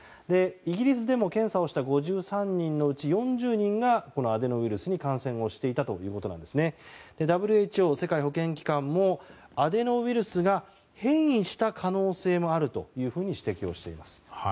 イギリスでも検査をした５３人のうち４０人がアデノウイルスに感染をしていたということでＷＨＯ・世界保健機関もアデノウイルスが変異した可能性もあると指摘をしています。